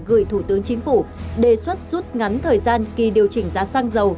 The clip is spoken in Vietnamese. gửi thủ tướng chính phủ đề xuất rút ngắn thời gian kỳ điều chỉnh giá xăng dầu